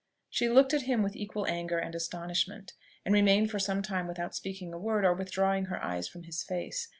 She looked at him with equal anger and astonishment, and remained for some time without speaking a word, or withdrawing her eyes from his face.